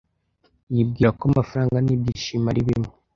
Yibwira ko amafaranga nibyishimo ari bimwe.